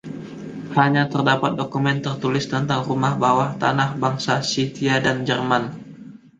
Hanya terdapat dokumen tertulis tentang rumah bawah tanah bangsa Scythia dan Jerman.